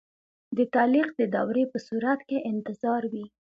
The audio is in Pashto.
د تعلیق د دورې په صورت کې انتظار وي.